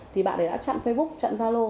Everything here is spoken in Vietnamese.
thì bạn ấy đã chặn facebook chặn zalo